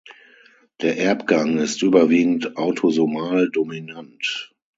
Der Erbgang ist überwiegend autosomal dominant.